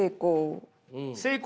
成功。